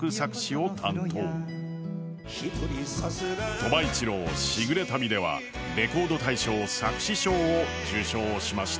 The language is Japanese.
鳥羽一郎「しぐれ旅」ではレコード大賞作詩賞を受賞しました。